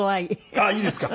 あっいいですか。